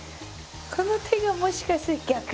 この手がもしかして逆。